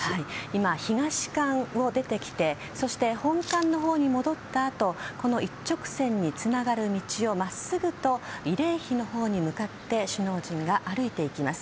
今、東館を出てきてそして本館のほうに戻ったあとこの一直線につながる道を真っすぐと慰霊碑のほうに向かって首脳陣が歩いていきます。